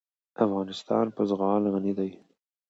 افغانستان په زغال غني دی.